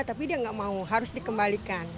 tapi dia nggak mau harus dikembalikan